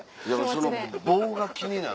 でもその棒が気になる。